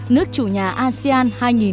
nước chủ nhà asean hai nghìn hai mươi